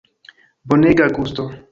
Bonega gusto!